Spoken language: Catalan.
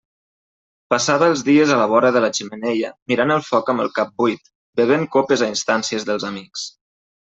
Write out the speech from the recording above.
Passava els dies a la vora de la xemeneia, mirant el foc amb el cap buit, bevent copes a instàncies dels amics.